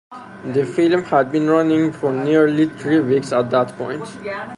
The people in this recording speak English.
The film had been running for nearly three weeks at that point.